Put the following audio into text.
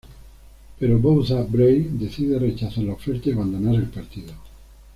Pero Bouza-Brey decide rechazar la oferta y abandonar el partido.